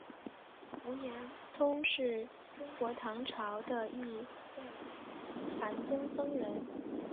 无言通是中国唐朝的一位禅宗僧人。